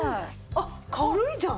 あっ軽いじゃん。